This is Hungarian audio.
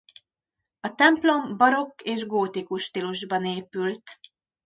A templom barokk és gótikus stílusban épült.